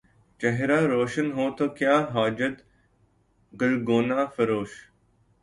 چہرہ روشن ہو تو کیا حاجت گلگونہ فروش